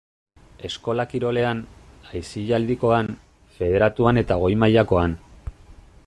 Eskola kirolean, aisialdikoan, federatuan eta goi-mailakoan.